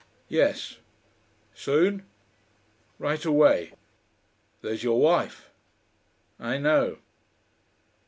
"Yes." "Soon?" "Right away." "There's your wife." "I know."